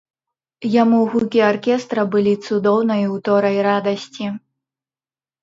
Яму гукі аркестра былі цудоўнай уторай радасці.